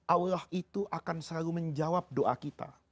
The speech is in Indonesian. allah itu akan selalu menjawab doa kita